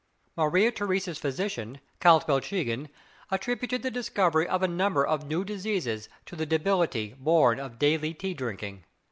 Maria Theresa's physician, Count Belchigen, attributed the discovery of a number of new diseases to the debility born of daily tea drinking.